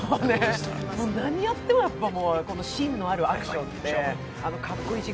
何やっても、芯のあるアクションでかっこいいし。